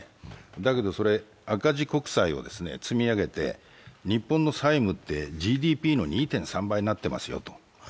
だけどそれ、赤字国債を積み上げて日本の債務ってＧＤＰの２．３倍になってます。